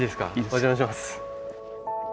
お邪魔します。